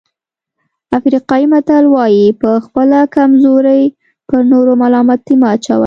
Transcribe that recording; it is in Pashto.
افریقایي متل وایي په خپله کمزوري پر نورو ملامتي مه اچوئ.